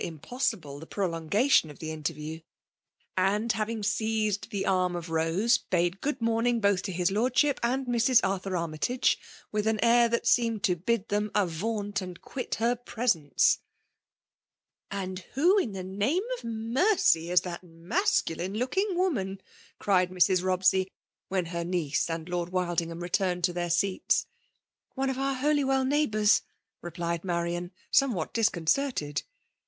149 possible the prolongation of the interview \ and, having seized the arm of Rose, bade good morning both to his lordship and Mrs. Arthur Armytage, with an air that seemed to bid them avaunt and quit her presence. " And who, in the name of mercy, is that masculiiie looking woman?'* cried Mrs. Rob sey, when her niece and Lord Wildingham I'^tumed to their seats. " One of our Holywell neighbours," replied Marian^ somewhat disconcerted.